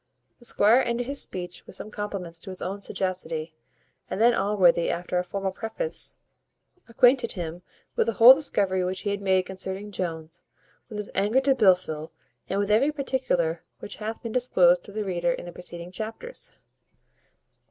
The squire ended his speech with some compliments to his own sagacity; and then Allworthy, after a formal preface, acquainted him with the whole discovery which he had made concerning Jones, with his anger to Blifil, and with every particular which hath been disclosed to the reader in the preceding chapters.